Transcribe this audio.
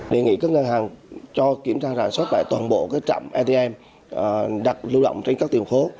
đề nghị các ngân hàng cho kiểm tra rạng sốt tại toàn bộ trạm atm đặt lưu động trên các tiền phố